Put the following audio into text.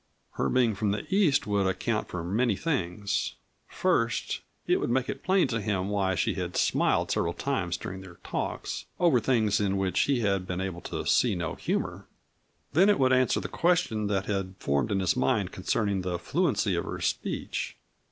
Her being from the East would account for many things. First, it would make plain to him why she had smiled several times during their talks, over things in which he had been able to see no humor. Then it would answer the question that had formed in his mind concerning the fluency of her speech.